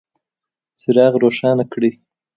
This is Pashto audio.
څراغ روښانه کړئ